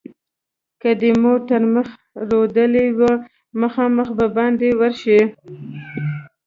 که دې مور تر مخ رودلې وه؛ مخامخ به باندې ورشې.